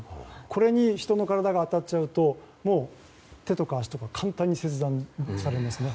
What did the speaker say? これに人の体が当たっちゃうともう手とか足とか簡単に切断されますね。